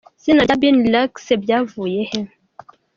Izina rya Binny Relax byavuye he?.